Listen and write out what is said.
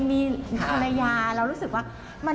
มีภรรยาเรารู้สึกว่า